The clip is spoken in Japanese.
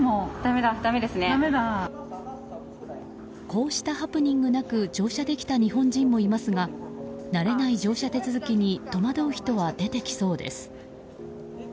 こうしたハプニングなく乗車できた日本人もいますが慣れない乗車手続きに戸惑う人は出てきそうです。